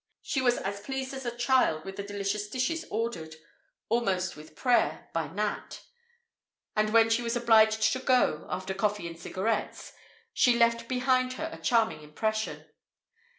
She was as pleased as a child with the delicious dishes ordered, almost with prayer, by Nat; and when she was obliged to go, after coffee and cigarettes, she left behind her a charming impression.